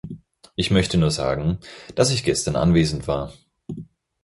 Ich möchte nur sagen, dass ich gestern anwesend war.